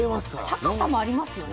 高さもありますよね。